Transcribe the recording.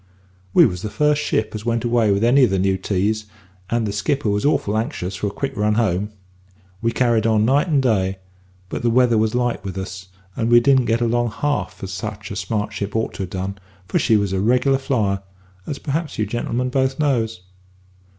"We was the first ship as went away with any of the new teas, and the skipper was awful anxious for a quick run home. We carried on night and day; but the weather was light with us, and we didn't get along half as such a smart ship ought to ha' done, for she was a reg'lar flyer, as perhaps you gentlemen both knows.